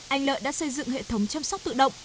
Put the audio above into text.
anh lợi đã xây dựng hệ thống chăm sóc tự động